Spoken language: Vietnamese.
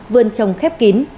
vườn trồng khép kín